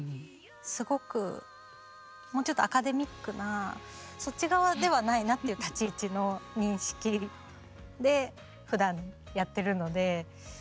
すごくもうちょっとアカデミックなそっち側ではないなっていう立ち位置の認識でふだんやってるので。